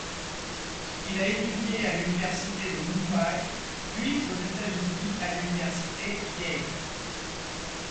Il a étudié à l'Université de Mumbai puis aux États-Unis à l'Université Yale.